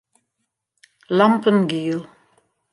Lampen giel.